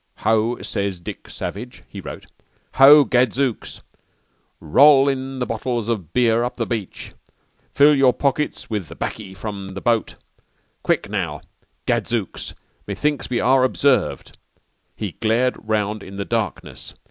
"'Ho,' sez Dick Savage," he wrote. _"Ho! Gadzooks! Rol in the bottles of beer up the beech. Fill your pockets with the baccy from the bote. Quick, now! Gadzooks! Methinks we are observed!" He glared round in the darkness.